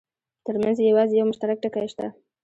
ترمنځ یې یوازې یو مشترک ټکی شته.